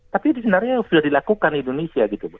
tapi sebenarnya sudah dilakukan di indonesia gitu